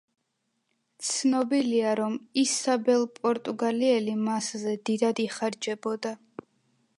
ცნობილია, რომ ისაბელ პორტუგალიელი მასზე დიდად იხარჯებოდა.